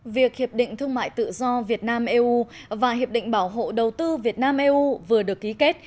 việc hiệp định thương mại tự do việt nam eu và hiệp định bảo hộ đầu tư việt nam eu vừa được ký kết